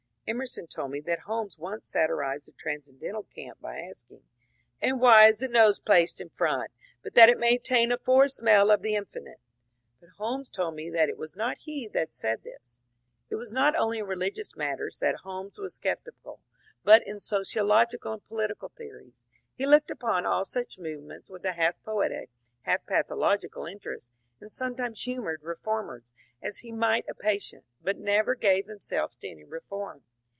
Emerson told me that Holmes once satirized the transcendental cant by asking, ^^ And why is the nose placed in front, but that it may attain a fore smell of the infinite ?" But Holmes told me that it was not he that said this. It was not only in religious matters that Holmes was scep tical, but in all sociological and political tiieories. He looked upon all such movements with a half poetic, half pathological interest, and sometimes humoured *^ reformers " as he might a patient, but never gave himself to any reform.